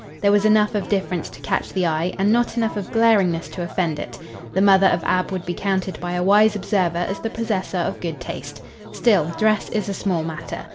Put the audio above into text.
There was enough of difference to catch the eye and not enough of glaringness to offend it. The mother of Ab would be counted by a wise observer as the possessor of good taste. Still, dress is a small matter.